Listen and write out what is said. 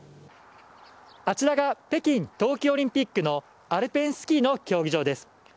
あちらが北京冬季オリンピックのアルペンスキーの競技場です。